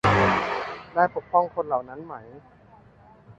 ได้ปกป้องคนเหล่านั้นไหม